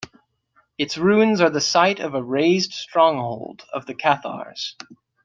Its ruins are the site of a razed stronghold of the Cathars.